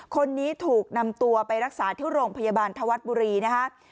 คนนี้ถูกนำตัวไปรักษาที่โรงพยาบาลธวัฒน์บุรีนะคะ